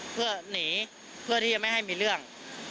ผมก็เหนียวนี่เพื่อที่จะไม่ให้มีเรื่อง